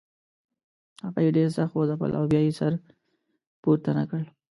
هغه یې ډېر سخت وځپل او بیا یې سر پورته نه کړ.